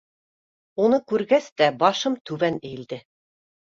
Уны күргәс тә, башым түбән эйелде.